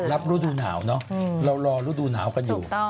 ฤดูหนาวเนอะเรารอฤดูหนาวกันอยู่